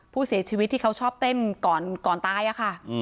ผู้เสียชีวิตที่เขาชอบเต้นก่อนตายอะค่ะ